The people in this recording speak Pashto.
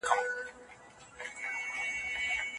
ایا هلک په کړکۍ کې د مرغیو ننداره کوله؟